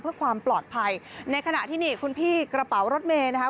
เพื่อความปลอดภัยในขณะที่นี่คุณพี่กระเป๋ารถเมย์นะคะ